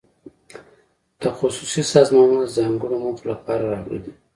تخصصي سازمانونه د ځانګړو موخو لپاره راغلي.